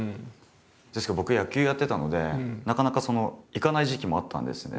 ですけど僕野球やってたのでなかなか行かない時期もあったんですね。